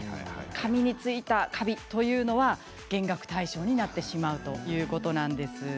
紙についたカビというのは減額対象になってしまうということです。